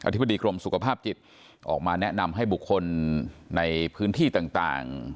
ธิบดีกรมสุขภาพจิตออกมาแนะนำให้บุคคลในพื้นที่ต่าง